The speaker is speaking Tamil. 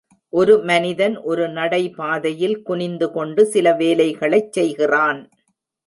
ஒரு மனிதன் ஒரு நடைபாதையில் குனிந்துகொண்டு சில வேலைகளைச் செய்கிறான்.